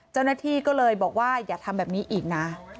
เจ้าหน้าที่ก็เลยบอกว่าอย่าทำแบบนี้อีกนะ